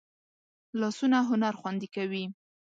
لاسونه هنر خوندي کوي